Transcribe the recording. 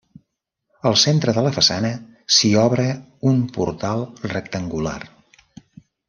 Al centre de la façana s'hi obre un portal rectangular.